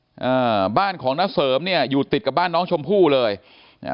อ่าบ้านของน้าเสริมเนี้ยอยู่ติดกับบ้านน้องชมพู่เลยอ่า